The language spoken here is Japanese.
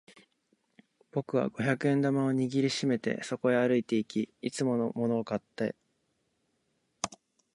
僕は五百円玉を握り締めてそこへ歩いていき、いつものものを買った。